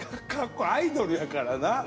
アイドルやからな。